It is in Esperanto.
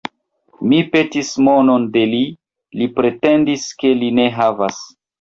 Mi petis monon de li; li pretendis, ke li ne havas.